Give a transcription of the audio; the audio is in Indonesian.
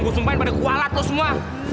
gue sumpahin pada kualat tuh semua